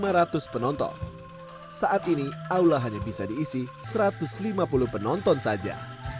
lima ratus penonton saat ini aula hanya bisa diisi satu ratus lima puluh penonton saja